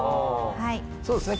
そうですね。